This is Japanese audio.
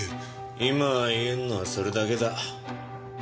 今言えるのはそれだけだ。